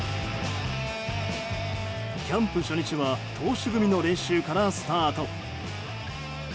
キャンプ初日は投手組の練習からスタート。